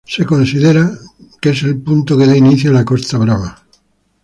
Se considera que es el punto que da inicio a la costa Brava.